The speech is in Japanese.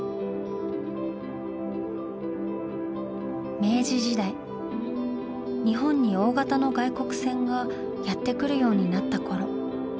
明治時代日本に大型の外国船がやって来るようになった頃。